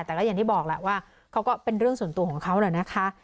แต่ก็อย่างที่บอกแหละว่าเขาก็เป็นเรื่องส่วนตัวของเขาแหละนะคะ